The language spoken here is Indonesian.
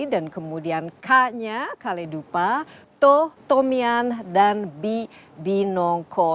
dan kemudian k nya kaledupa toh tomian dan binongko